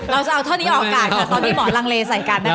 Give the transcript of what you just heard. เราจะเอาท่อนี้ออกอากาศค่ะตอนที่หมอลังเลใส่กันนะคะ